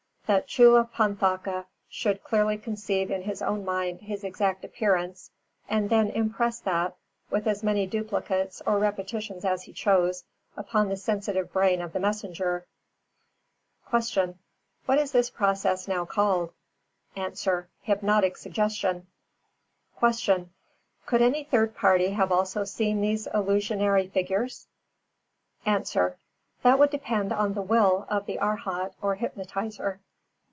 That Chullapanthaka should clearly conceive in his own mind his exact appearance, and then impress that, with as many duplicates or repetitions as he chose, upon the sensitive brain of the messenger. 357. Q. What is this process now called? A. Hypnotic suggestion. 358. Q. Could any third party have also seen these illusionary figures? A. That would depend on the will of the Arhat or hypnotiser.